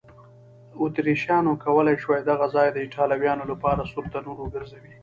اتریشیانو کولای شوای دغه ځای د ایټالویانو لپاره سور تنور وګرځوي.